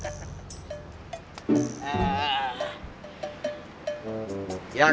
yang namanya setan tuh